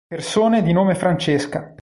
Persone di nome Francesca